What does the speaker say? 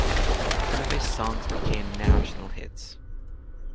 Some of his songs became national hits.